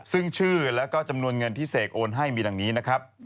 ซึ่งชื่อแล้วก็จำนวนเงินที่เสกโอนให้มีดังนี้นะครับ